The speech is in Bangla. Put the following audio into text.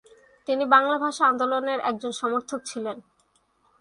তিনি বাংলা ভাষা আন্দোলনের একজন সমর্থক ছিলেন।